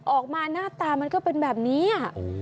ออกมาหน้าตามันก็เป็นแบบนี้